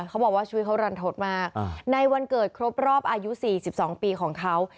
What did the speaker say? เขาบอกว่าชีวิตเขารันทดมากในวันเกิดครบรอบอายุ๔๒ปีของเขา